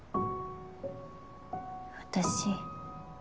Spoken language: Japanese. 私。